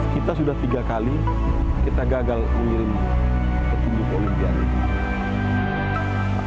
kita sudah tiga kali kita gagal mengirim petinju olimpiade